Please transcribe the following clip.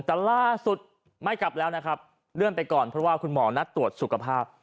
แต่ล่าสุดไม่กลับแล้วนะครับเลื่อนไปก่อนเพราะว่าคุณหมอนัดตรวจสุขภาพ